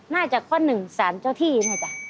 น่าจะข้อ๑ศาลเจ้าที่นะจ๊ะ